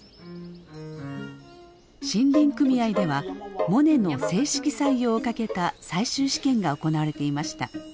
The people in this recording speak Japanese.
森林組合ではモネの正式採用をかけた最終試験が行われていました。